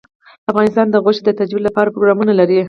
افغانستان د غوښې د ترویج لپاره پروګرامونه لري.